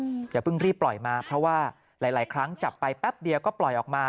อย่าเพิ่งรีบปล่อยมาเพราะว่าหลายหลายครั้งจับไปแป๊บเดียวก็ปล่อยออกมา